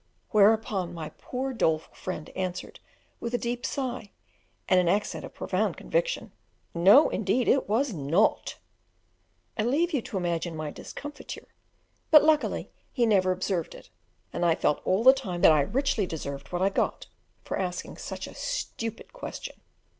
Whereupon my poor, doleful friend answered, with a deep sigh, and an accent of profound conviction, "No, indeed it was not!" I leave you to imagine my discomfiture; but luckily he never observed it, and I felt all the time that I richly deserved what I got, for asking such a stupid question.